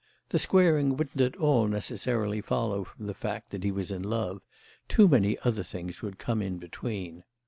The squaring wouldn't at all necessarily follow from the fact that he was in love; too many other things would come in between.